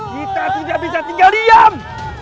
kita tidak bisa tinggal diam